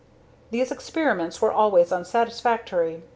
These experiments were always unsatisfactory.